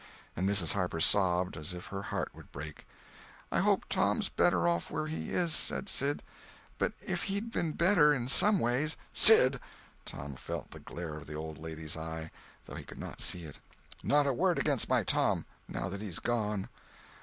And Mrs. Harper sobbed as if her heart would break. "I hope Tom's better off where he is," said Sid, "but if he'd been better in some ways—" "Sid!" Tom felt the glare of the old lady's eye, though he could not see it. "Not a word against my Tom, now that he's gone!